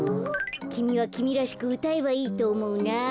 きみはきみらしくうたえばいいとおもうな。